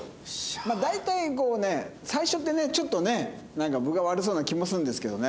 まあ大体こうね最初ってねちょっとねなんか分が悪そうな気もするんですけどね。